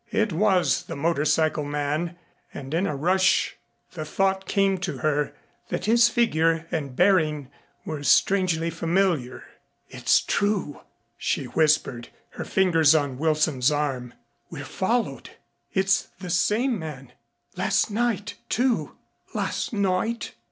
It was the motor cycle man, and in a rush the thought came to her that his figure and bearing were strangely familiar. "It's true," she whispered, her fingers on Wilson's arm. "We're followed. It's the same man. Last night, too." "Last night?"